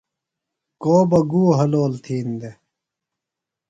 کو بہ گُو حلول تِھین دےۡ۔